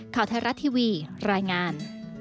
ข่าวไทยรัฐทีวีรายงาน